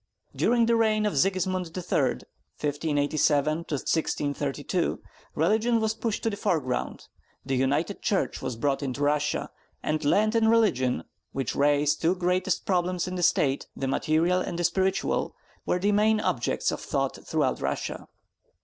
During the reign of Sigismund III. (1587 1632), religion was pushed to the foreground, the United Church was brought into Russia; and land and religion, which raise the two greatest problems in a State, the material and the spiritual, were the main objects of thought throughout Russia.